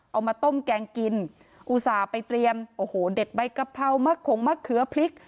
เอามาต้มแกงกินอุตส่าห์ไปเตรียมโอ้โหเด็ดใบกะเพรามะขงมะเขือพริก